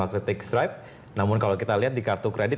ainasel pengen tolo anther kolal koin di kartu kredit